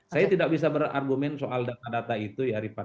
saya tidak bisa berargumen soal data data itu ya ripa